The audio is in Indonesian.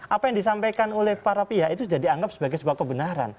apa yang disampaikan oleh para pihak itu sudah dianggap sebagai sebuah kebenaran